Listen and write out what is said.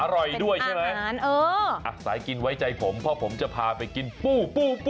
อร่อยด้วยใช่ไหมสายกินไว้ใจผมเพราะผมจะพาไปกินปูปู